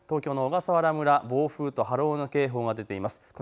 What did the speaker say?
東京の小笠原村、暴風と波浪の警報が出ています。